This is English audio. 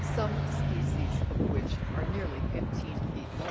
82), some species of which are nearly fifteen feet long.